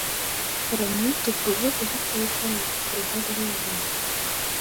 Раней тут было вялікае сяло, прыгадвае ён.